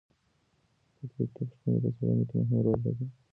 تطبیقي پوښتنې په څېړنو کې مهم رول لري.